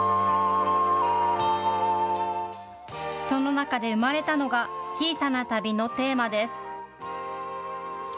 その中で生まれたのが小さな旅のテーマです。